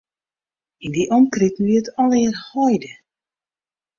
Yn dy omkriten wie it allegear heide.